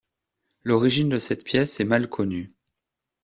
L'origine de cette pièce est mal connue.